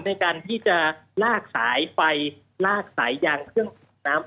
ในการที่จะลากสายไฟลากสายยางเครื่องสูบน้ำ